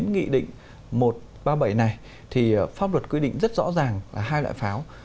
nghị định một trăm ba mươi bảy này thì pháp luật quy định rất rõ ràng là hai loại pháo